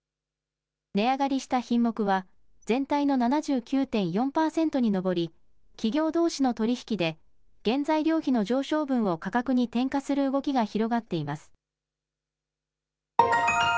値上がりした品目は全体の７９．４％に上り企業どうしの取り引きで原材料費の上昇分を価格に転嫁する動きが広がっています。